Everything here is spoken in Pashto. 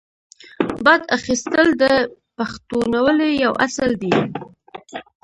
بدل اخیستل د پښتونولۍ یو اصل دی.